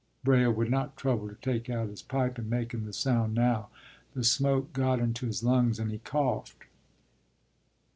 ” Braile would not trouble to take out his pipe in making the sound now; the smoke got into his lungs, and he coughed.